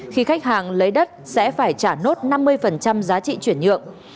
khi khách hàng lấy đất sẽ phải trả nốt năm mươi giá trị chuyển nhượng